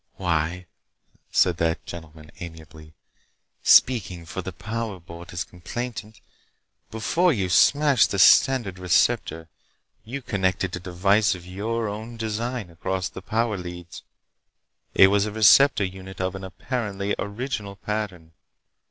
"Why," said that gentleman amiably, "speaking for the Power Board as complainant, before you smashed the standard receptor you connected a device of your own design across the power leads. It was a receptor unit of an apparently original pattern.